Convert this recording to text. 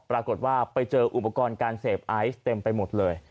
ปรากฏว่าไปเจออุปกรณ์การเสพไอซ์เต็มไปหมดเลย